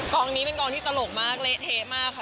กองนี้เป็นกองที่ตลกมากเละเทะมากค่ะ